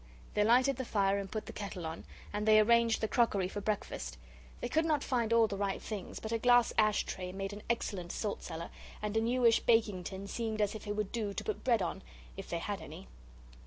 They lighted the fire and put the kettle on, and they arranged the crockery for breakfast; they could not find all the right things, but a glass ash tray made an excellent salt cellar, and a newish baking tin seemed as if it would do to put bread on, if they had any.